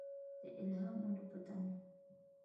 د الهامونو په تمه.